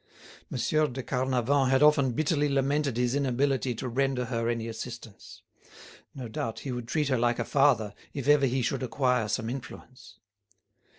Monsieur de Carnavant had often bitterly lamented his inability to render her any assistance. No doubt he would treat her like a father if ever he should acquire some influence.